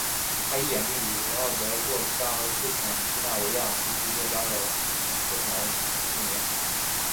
他以演绎德奥作曲家和斯堪的纳维亚地区作曲家的作品而著名。